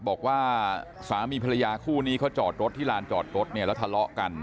บอกว่าสามีภรรยาคู่นี้เขาจอดรถที่ลานจอดรถเนี่ยแล้วทะเลาะกัน